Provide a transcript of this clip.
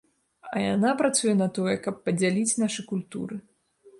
А яна працуе на тое, каб падзяліць нашы культуры.